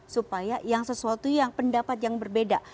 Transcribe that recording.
supaya yang sesuatu yang pendapat yang berbeda